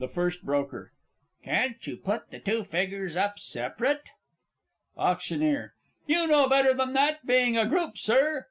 B. Can't you put the two figgers up separate? AUCT. You know better than that being a group, Sir.